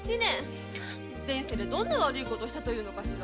前世でどんな悪いことをしたというのかしら？